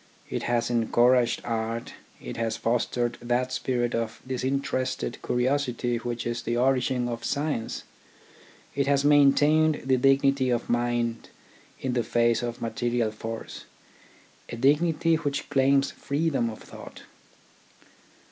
It has encouraged art, it has fostered that spirit of disinterested curiosity which is the origin of science, it has maintained the dignity of mind in the face of material force, a dignity which claims freedom of thought.